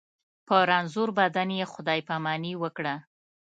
په رنځور بدن یې خدای پاماني وکړه.